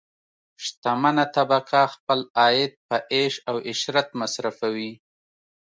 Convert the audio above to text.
شتمنه طبقه خپل عاید په عیش او عشرت مصرفوي.